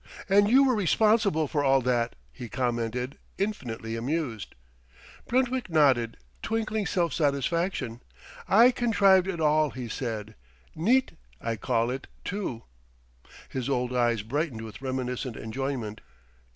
"And you were responsible for all that!" he commented, infinitely amused. Brentwick nodded, twinkling self satisfaction. "I contrived it all," he said; "neat, I call it, too." His old eyes brightened with reminiscent enjoyment.